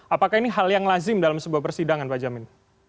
apakah ini hal yang lazim dalam sebuah persidangan pak jamin